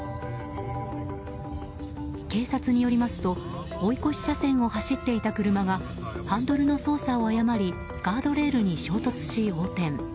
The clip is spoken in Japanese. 警察によりますと追い越し車線を走っていた車がハンドルの操作を誤りガードレールに衝突し横転。